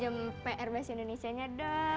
kita mau pinjem prbas indonesianya dok